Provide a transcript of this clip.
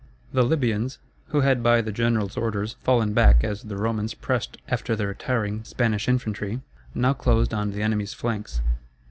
The Libyans, who had by the general's orders fallen back as the Romans pressed after the retiring Spanish infantry, now closed on the enemy's flanks.